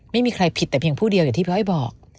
ไม่มีใครผิดแต่เพียงผู้เดียวอย่างที่พี่อ้อยบอก